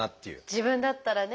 自分だったらね。